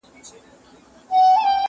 چي یې ستا له زخمه درد و احساس راکړ..